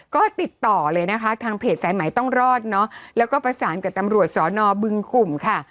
ก็ติดต่อเลยนะคะทางเพจสายใหม่ต้องรอดเนอะแล้วก็ประสานกับตำรวจสอนอบึงกลุ่มค่ะ